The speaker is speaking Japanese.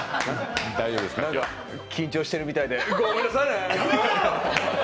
緊張してるみたいで、ごめんなさいね。